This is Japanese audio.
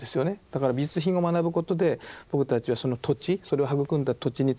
だから美術品を学ぶことで僕たちはその土地それを育んだ土地について知ると。